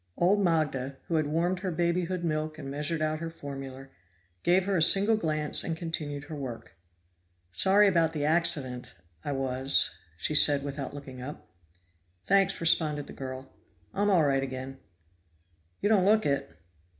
Old Magda, who had warmed her babyhood milk and measured out her formula, gave her a single glance and continued her work. "Sorry about the accident, I was," she said without looking up. "Thanks," responded the girl. "I'm all right again." "You don't look it."